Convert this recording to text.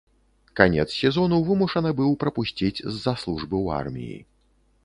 Канец сезону вымушаны быў прапусціць з-за службы ў арміі.